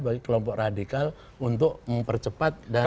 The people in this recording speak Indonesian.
bagi kelompok radikal untuk mempercepat dan mengeluasnya